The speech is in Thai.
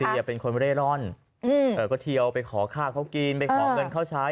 เป็นคนเร่ร่อนก็เทียวไปขอข้าวเขากินไปขอเงินเขาใช้